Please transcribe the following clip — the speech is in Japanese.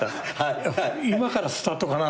今からスタートかなと思って。